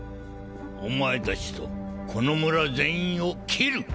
お前たちとこの村全員を斬る！